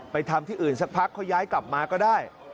ทำที่อื่นสักพักเขาย้ายกลับมาก็ได้